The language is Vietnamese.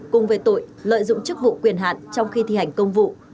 cùng về tội lợi dụng chức vụ quyền hạn trong khi thi hành công vụ